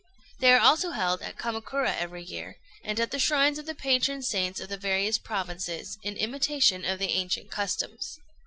They are also held at Kamakura every year, and at the shrines of the patron saints of the various provinces, in imitation of the ancient customs.